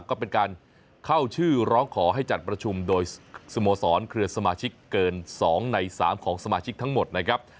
ก็เป็นการเข้าชื่อร้องขอให้จัดประชุมโดยสโมสรเครือสมาชิกเกิน๒ใน๓ของสมาชิกทั้งหมดนะครับ